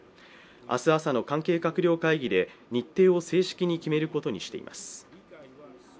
明日朝の関係閣僚会議で日程を正式に決めることにしています。